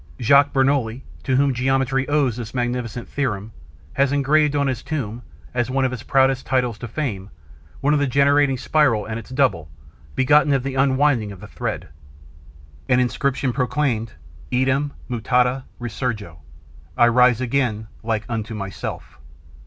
Jacques Bernouilli, to whom geometry owes this magnificent theorem, had engraved on his tomb, as one of his proudest titles to fame, the generating spiral and its double, begotten of the unwinding of the thread. An inscription proclaimed, 'Eadem mutata resurgo: I rise again like unto myself.'